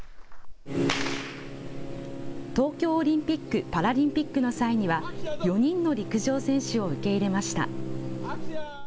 東京オリンピック・パラリンピックの際には４人の陸上選手を受け入れました。